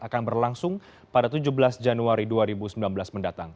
akan berlangsung pada tujuh belas januari dua ribu sembilan belas mendatang